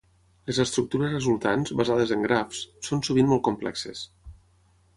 Les estructures resultants, basades en grafs, són sovint molt complexes.